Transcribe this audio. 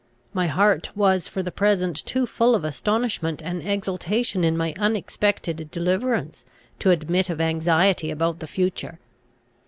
My heart was for the present too full of astonishment and exultation in my unexpected deliverance, to admit of anxiety about the future.